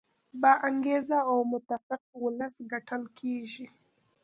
با انګیزه او متفق ولس ګټل کیږي.